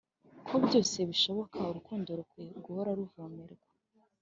ko byose bishoboka, urukundo rukwiye guhora ruvomerwa.